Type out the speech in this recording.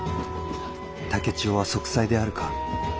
竹千代は息災であるか。